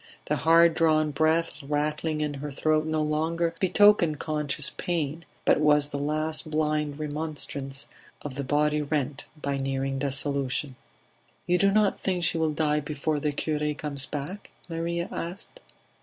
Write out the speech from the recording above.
The hard drawn breath rattling in her throat no longer betokened conscious pain, but was the last blind remonstrance of the body rent by nearing dissolution. "You do not think she will die before the cure comes back?" Maria asked.